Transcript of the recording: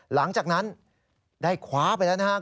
หลังจากนั้นได้คว้าไปแล้วนะครับ